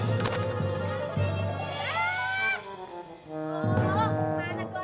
cepi mau kelapar